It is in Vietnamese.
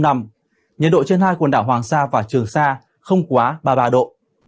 nhiệt độ trên hai quần đảo hoàng sa và trường sa không quá ba mươi ba độ